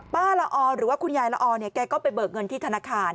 ละออหรือว่าคุณยายละออเนี่ยแกก็ไปเบิกเงินที่ธนาคาร